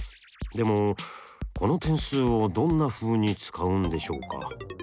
でもこの点数をどんなふうに使うんでしょうか？